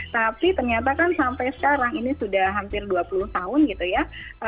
tapi ternyata kan sampai sekarang ini sudah hampir dua puluh tahun gitu ya